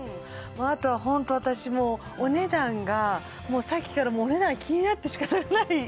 あとはホント私もうお値段がもうさっきからお値段気になってしかたがない